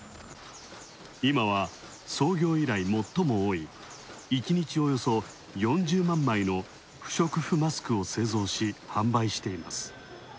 今は、創業以来、もっとも多い、一日およそ４０万枚の不織布マスクを製造し、販売しています。